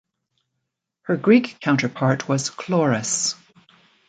Her Greek counterpart was Chloris.